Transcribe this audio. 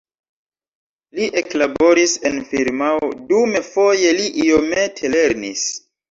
Li eklaboris en firmao, dume foje li iomete lernis.